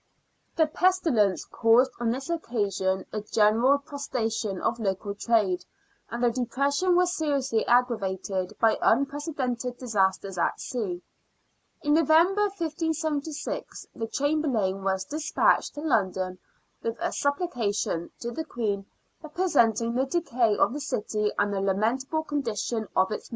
The pestilence caused on this occasion a general prostra tion of local trade, and the depression was seriously aggravated by unprecedented disasters at sea. In November, 1576, the Chamberlain was despatched to London with a " supplication " to the Queen, representing the decay of the city and the lamentable condition of its PIRACY IN THE AVON.